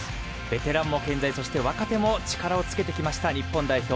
ベテランも健在そして若手も力をつけてきました日本代表。